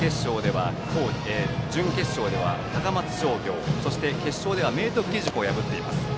準決勝では高松商業、そして決勝では明徳義塾を破っています。